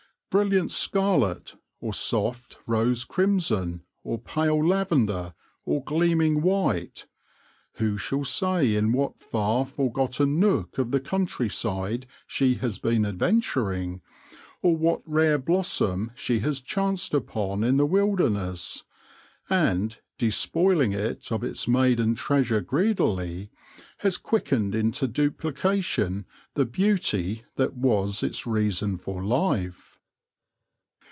Brilliant scarlet, or soft rose crimson, or pale lavender, or gleaming white — who shall say in what far, forgotten nook of the country side she has been adventuring, or what rare blossom she has chanced upon in the wilderness, and, despoiling it of its maiden treasure greedily, has quickened into duplication the beauty that was its reason for life